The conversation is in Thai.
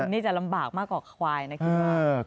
นี่จะลำบากมากกว่าควายนะคิดว่า